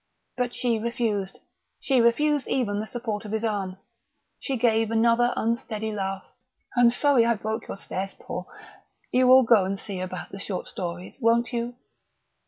But she refused. She refused even the support of his arm. She gave another unsteady laugh. "I'm sorry I broke your stairs, Paul.... You will go and see about the short stories, won't you?"